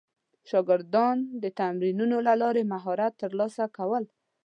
شاګردان د تمرینونو له لارې مهارت ترلاسه کړل.